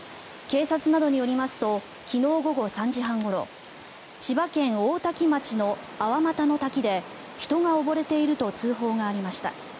警察などによりますと昨日午後３時半ごろ千葉県大多喜町の粟又の滝で人が溺れていると通報がありました。